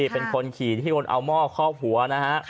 เป็นคนขี่ที่คนเอาหม้อคอบหัวนะฮะ